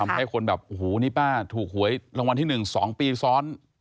ให้คนแบบโอ้โหนี่ป้าถูกหวยรางวัลที่๑๒ปีซ้อน